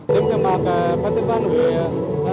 đêm khai mạng festival huế